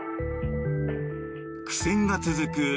苦戦が続く